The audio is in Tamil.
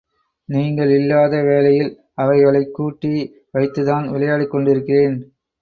நீங்கள் இல்லாத வேளையில் அவைகளைக் கூட்டி வைத்துத்தான் விளையாடிக் கொண்டிருக்கிறேன்.